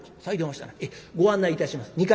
「さいでおましたらご案内いたします。